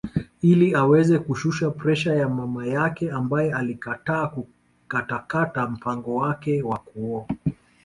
Ili aweze kushusha presha ya mama yake ambaye alikataa katakata mpango wake wa kuoa